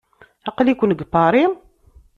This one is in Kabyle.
Aql-iken deg Paris?